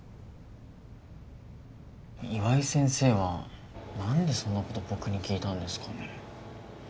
岩井先生はなんでそんな事僕に聞いたんですかね？